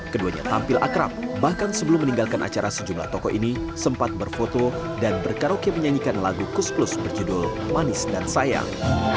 keduanya tampil akrab bahkan sebelum meninggalkan acara sejumlah tokoh ini sempat berfoto dan berkaraoke menyanyikan lagu kus plus berjudul manis dan sayang